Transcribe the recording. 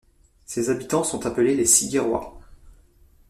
Ses habitants sont appelés les Siguerois.